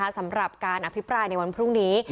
สำหรับการอภิปรายในวันพรุ่งนี้